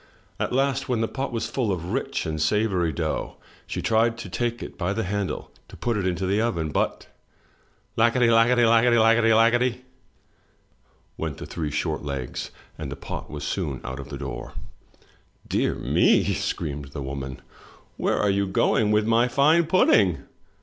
At last, when the pot was full of rich and savory dough, she tried to take it by the handle, to put it into the oven, — ^but lackady, lackady, lackady, lackady, went the three short legs, and the pot was soon out of the door. " Dear me !" screamed the woman. " Where are you going with my fine pudding?"